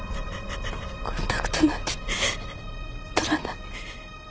コンタクトなんて取らない。